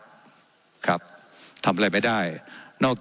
ว่าการกระทรวงบาทไทยนะครับ